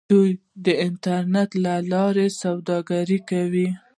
دوی د انټرنیټ له لارې سوداګري کوي.